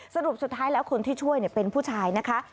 สรุปสุดท้ายแล้วคนที่ช่วยเป็นผู้ชายนะคะ